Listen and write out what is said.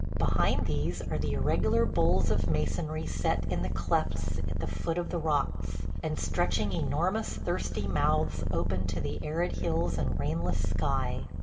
Behind these are the irregular bowls of masonry set in the clefts at the foot of the rocks, and stretching enormous thirsty mouths open to the arid hills and rainless sky.